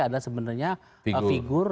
adalah sebenarnya figur